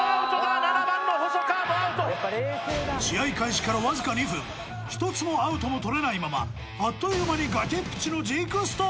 ７番の細川もアウト試合開始からわずか２分１つのアウトも取れないままあっという間に崖っぷちのジークスター